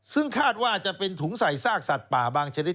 ซึ่งคาดว่าจะเป็นถุงใส่ซากสัตว์ป่าบางชนิด